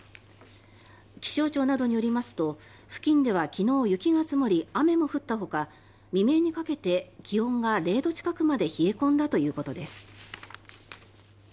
気象庁などによりますと付近では昨日、雪が積もり雨も降ったほか、未明にかけて気温が０度近くまで冷え込んだということです。